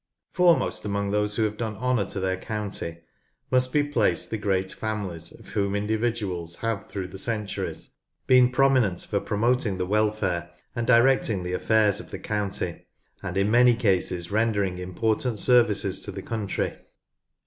Foremost among those who have done honour to their county must be placed the great families of whom indi viduals have through the centuries been prominent for promoting the welfare and directing the affairs of the county, and in many cases rendering important services to the country.